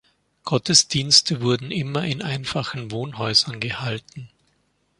Gottesdienste wurden immer in einfachen Wohnhäusern gehalten.